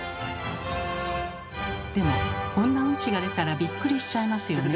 でもこんなうんちが出たらびっくりしちゃいますよね。